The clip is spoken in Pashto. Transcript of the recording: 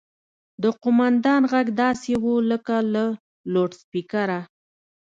د قوماندان غږ داسې و لکه له لوډسپيکره.